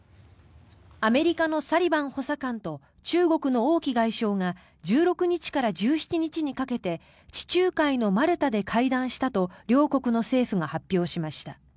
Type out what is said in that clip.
アメリカのサリバン補佐官と中国の王毅外相が１６日から１７日にかけて地中海のマルタで会談したと両国の政府が発表しました。